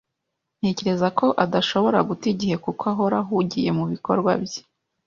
Ntekereza ko adashobora guta igihe kuko ahora ahugiye mubikorwa bye.